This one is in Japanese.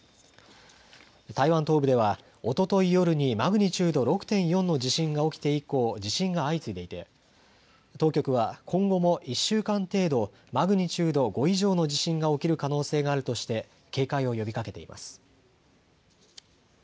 台湾東部ではおととい夜にマグニチュード６．４の地震が起きて以降、地震が相次いでいて当局は今後も１週間程度、マグニチュード５以上の地震が起きる可能性があるとして警戒を呼びかけています。